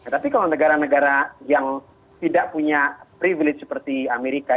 tapi kalau negara negara yang tidak punya privilege seperti amerika